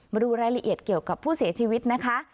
มาดูรายละเอียดเกี่ยวกับผู้เสียชีวิตนะคะ